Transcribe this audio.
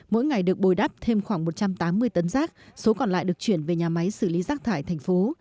mỗi ngày được bồi đắp thêm khoảng một trăm tám mươi tấn rác số còn lại được chuyển về nhà máy xử lý rác thải thành phố